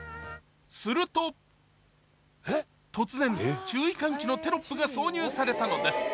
すると突然注意喚起のテロップが挿入されたのです